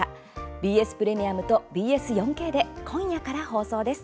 ＢＳプレミアムとＢＳ４Ｋで今夜から放送です。